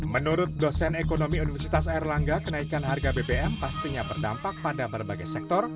menurut dosen ekonomi universitas airlangga kenaikan harga bbm pastinya berdampak pada berbagai sektor